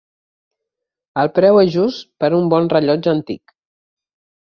El preu és just per a un bon rellotge antic.